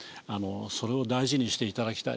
それを大事にしていただきたいな。